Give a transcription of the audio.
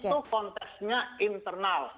itu konteksnya internal